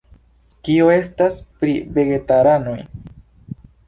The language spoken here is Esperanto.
Kio estas pri vegetaranoj?